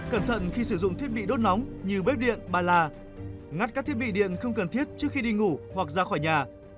cẩn thận khi sử dụng thiết bị đốt nóng như bếp điện ba la ngắt các thiết bị điện không cần thiết trước khi đi ngủ hoặc ra khỏi nhà